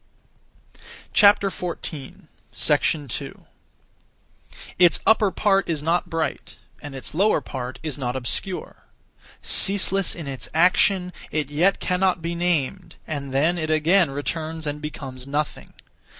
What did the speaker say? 2. Its upper part is not bright, and its lower part is not obscure. Ceaseless in its action, it yet cannot be named, and then it again returns and becomes nothing.